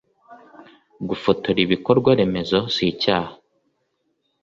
Gufotora ibikorwa remezo si icyaha